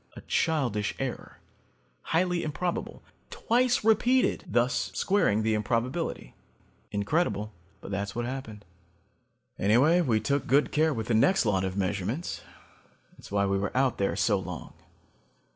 A childish error, highly improbable; twice repeated, thus squaring the improbability. Incredible, but that's what happened. "Anyway, we took good care with the next lot of measurements. That's why we were out there so long.